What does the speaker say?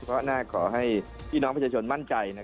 เพราะน่าขอให้พี่น้องประชาชนมั่นใจ